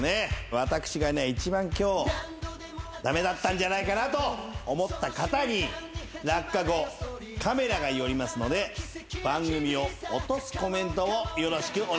私が一番今日駄目だったんじゃないかと思った方に落下後カメラが寄りますので番組を落とすコメントをよろしくお願いいたします。